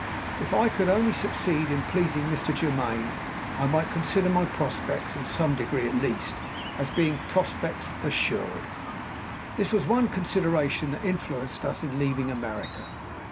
If I could only succeed in pleasing Mr. Germaine, I might consider my prospects (in some degree, at least) as being prospects assured. This was one consideration that influenced us in leaving America.